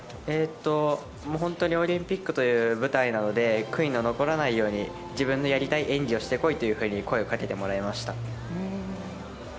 本当にオリンピックという舞台なので悔いの残らないように自分のやりたい演技をしてこいと声をかけてもらいました。